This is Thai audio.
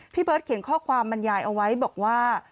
พี่เบิร์ตเขียนข้อความบรรยายเอาไว้บอกว่า